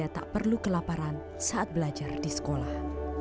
tak perlu kelaparan saat belajar di sekolah